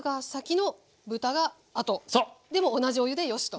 でも同じお湯でよしと。